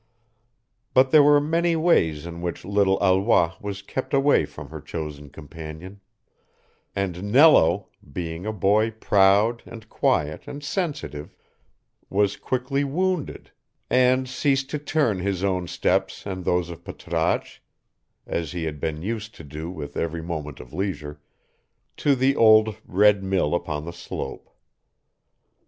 But there were many ways in which little Alois was kept away from her chosen companion; and Nello, being a boy proud and quiet and sensitive, was quickly wounded, and ceased to turn his own steps and those of Patrasche, as he had been used to do with every moment of leisure, to the old red mill upon the slope.